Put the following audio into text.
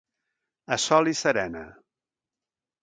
A sol i serena.